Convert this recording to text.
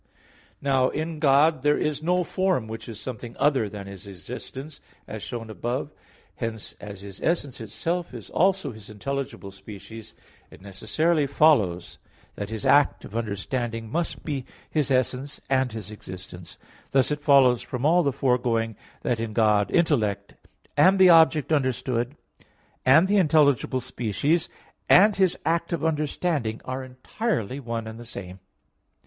Now in God there is no form which is something other than His existence, as shown above (Q. 3). Hence as His essence itself is also His intelligible species, it necessarily follows that His act of understanding must be His essence and His existence. Thus it follows from all the foregoing that in God, intellect, and the object understood, and the intelligible species, and His act of understanding are entirely one and the same.